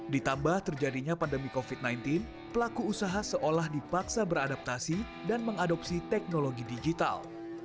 ditambah terjadinya pandemi covid sembilan belas pelaku usaha seolah dipaksa beradaptasi dan mengadopsi teknologi digital